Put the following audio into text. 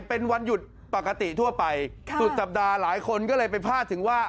เป็นวันหยุดปกติทั่วไปสุดสัปดาห์หลายคนก็เลยไปพลาดถึงว่า